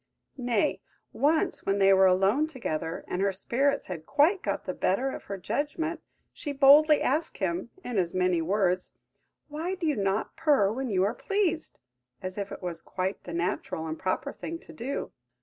Nay, once, when they were alone together, and her spirits had quite got the better of her judgment, she boldly asked him, in as many words, "Why do you not purr when you are pleased?" as if it was quite the natural and proper thing to do.